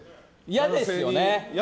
嫌ですよね。